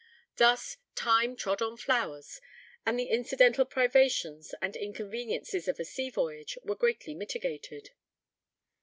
Thus, "time trod on flowers," and the incidental privations and inconveniences of a sea voyage were greatly mitigated.